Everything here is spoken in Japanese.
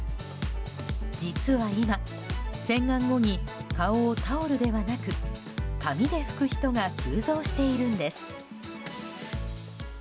実は今洗顔後に顔をタオルではなく紙で拭く人が急増しているんです。